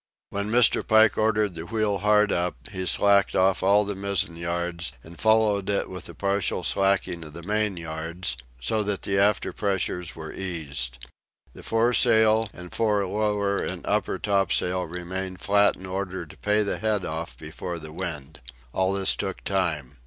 When Mr. Pike ordered the wheel hard up, he slacked off all the mizzen yards, and followed it with a partial slacking of the main yards, so that the after pressures were eased. The foresail and fore lower and upper topsails remained flat in order to pay the head off before the wind. All this took time.